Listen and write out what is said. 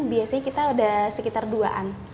biasanya kita ada sekitar duaan